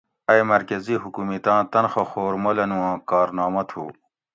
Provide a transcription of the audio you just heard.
ائ مرکزی حکومِتاں تنخواہ خور مولنو آں کارنامہ تھو